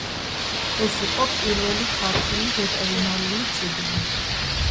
ეს იყო პირველი ქართული ვეტერინარული წიგნი.